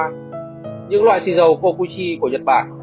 những loại xì dầu kokuchi của nhật bản